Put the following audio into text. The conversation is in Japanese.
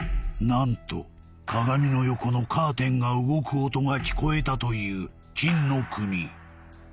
何と鏡の横のカーテンが動く音が聞こえたという金の国